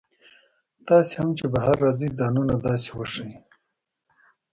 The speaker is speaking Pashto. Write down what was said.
تاسي هم چې بهر راځئ ځانونه داسې وښایئ.